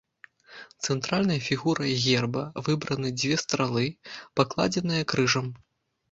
Цэнтральнай фігурай герба выбраны дзве стралы, пакладзеныя крыжам.